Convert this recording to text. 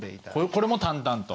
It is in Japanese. これも淡々と。